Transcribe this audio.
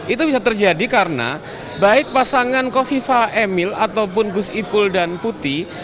itu bisa terjadi karena baik pasangan kofifa emil ataupun gus ipul dan putih